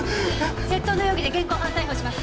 窃盗の容疑で現行犯逮捕します。